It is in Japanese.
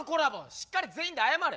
しっかり全員で謝れ。